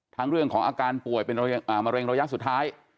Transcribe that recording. เรื่องของอาการป่วยเป็นมะเร็งระยะสุดท้าย